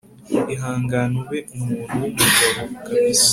ihangane ube umuntu wumugabo kabsa